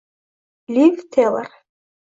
Liv Teylor